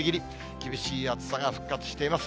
厳しい暑さが復活しています。